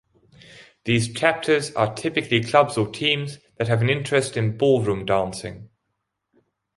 These chapters are typically clubs or teams that have an interest in ballroom dancing.